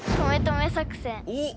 おっ！